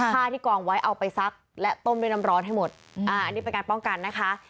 ผ้าที่กองไว้เอาไปซักและต้มด้วยน้ำร้อนให้หมดอ่าอันนี้เป็นการป้องกันนะคะ